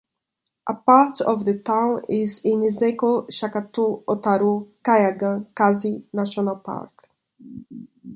A part of the town is in Niseko-Shakotan-Otaru Kaigan Quasi-National Park.